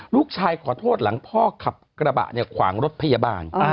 ลูกชายขอโทษหลังพ่อขับกระบะเนี่ยขวางรถพยาบาล